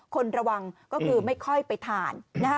คนระวังก็คือไม่ค่อยไปทาน